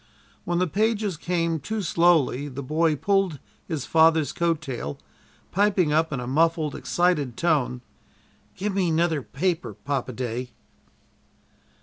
When the pages came too slowly the boy pulled his father's coat tail, piping up in a muffled, excited tone: "Give me 'nother paper, Papa day."